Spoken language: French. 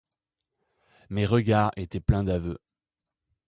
Mes regards étaient pleins d'aveux.